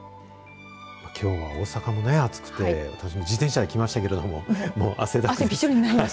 きょうは大阪もね、暑くて私も自転車で来ましたけれども汗だくで。